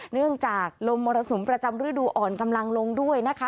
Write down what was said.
เนื่องจากลมมรสุมประจำฤดูอ่อนกำลังลงด้วยนะคะ